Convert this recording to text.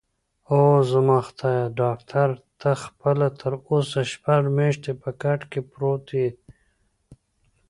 اووه، زما خدایه، ډاکټره ته خپله تراوسه شپږ میاشتې په کټ کې پروت یې؟